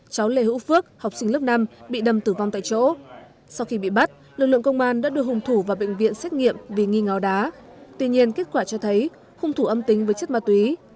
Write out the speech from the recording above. cháu lê hữu phước học sinh lớp năm bị đâm tử vong tại chỗ sau khi bị bắt lực lượng công an đã đưa hung thủ vào bệnh viện xét nghiệm vì nghi ngáo đá tuy nhiên kết quả cho thấy hung thủ âm tính với chất ma túy